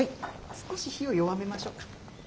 少し火を弱めましょうか。